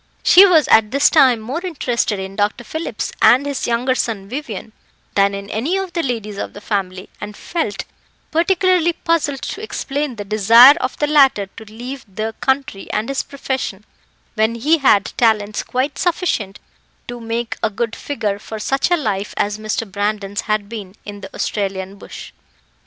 She was at this time more interested in Dr. Phillips and his younger son Vivian than in any of the ladies of the family, and felt particularly puzzled to explain the desire of the latter to leave the country and his profession, when he had talents quite sufficient to make a good figure, for such a life as Mr. Brandon's had been in the Australian bush.